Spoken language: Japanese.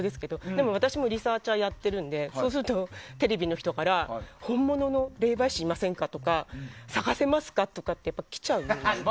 でも、私もリサーチャーやっているのでそうすると、テレビの人から本物の霊媒師いませんかとか探せますかとかってきちゃうんですよ。